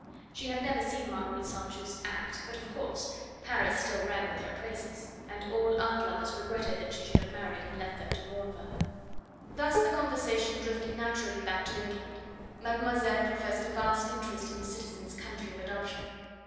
She had never seen Marguerite St. Just act, but, of course, Paris still rang with her praises, and all art lovers regretted that she should have married and left them to mourn for her. Thus the conversation drifted naturally back to England. Mademoiselle professed a vast interest in the citizen's country of adoption.